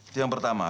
itu yang pertama